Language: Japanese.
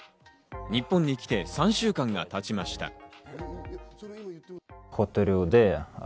日本に来て３週間が経ちました。